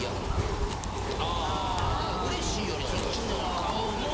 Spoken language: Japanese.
うれしいよりそっちの顔も。